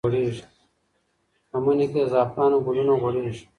په مني کې د زعفرانو ګلونه غوړېږي.